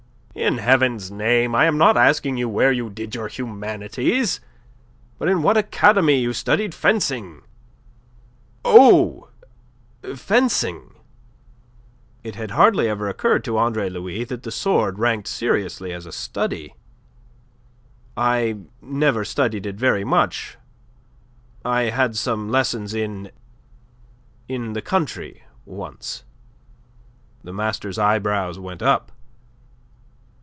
"In Heaven's name! I am not asking you where you did your humanities, but in what academy you studied fencing." "Oh fencing!" It had hardly ever occurred to Andre Louis that the sword ranked seriously as a study. "I never studied it very much. I had some lessons in... in the country once." The master's eyebrows went up.